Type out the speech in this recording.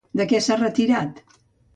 De què s'ha retirat?